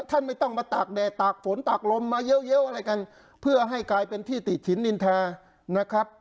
ไม่ต้องมาตากแดดตากฝนตากลมมาเยอะเยอะอะไรกันเพื่อให้กลายเป็นที่ติดฉินนินทานะครับ